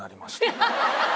ハハハハ！